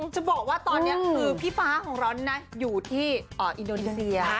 จะบอกว่าตอนนี้คือพี่ฟ้าของเรานั้นนะอยู่ที่อินโดนีเซีย